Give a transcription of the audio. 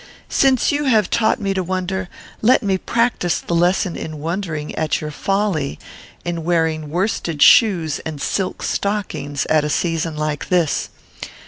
Since you have taught me to wonder, let me practise the lesson in wondering at your folly, in wearing worsted shoes and silk stockings at a season like this.